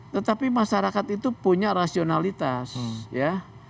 tetapi masyarakat itu punya rasionalitas ya